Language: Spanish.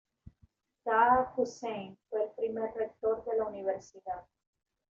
Taha Hussein fue el primer rector de la universidad.